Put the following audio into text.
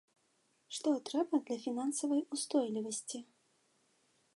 Што трэба для фінансавай устойлівасці?